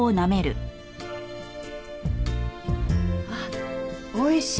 あっおいしい！